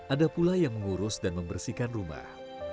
ada pula yang mengurus dan membersihkan rumah